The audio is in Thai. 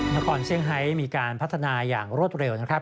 นครเซี่ยงไฮมีการพัฒนาอย่างรวดเร็วนะครับ